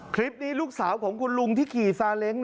คลิปนี้ลูกสาวของคุณลุงที่ขี่ซาเล้ง